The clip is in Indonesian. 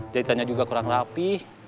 jahitannya juga kurang rapih